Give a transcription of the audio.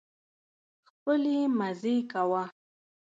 خپلې مزې کوه.